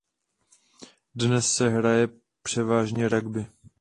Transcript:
Dnes se zde hraje převážně rugby.